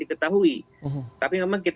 iya karena terakhir tadi pada abusive